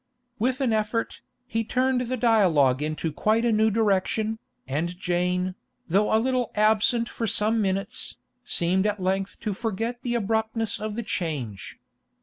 With an effort, he turned the dialogue into quite a new direction, and Jane, though a little absent for some minutes, seemed at length to forget the abruptness of the change.